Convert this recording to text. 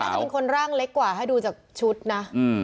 ฝ่ายที่ถูกทำร้ายน่าจะเป็นคนร่างเล็กกว่าให้ดูจากชุดนะ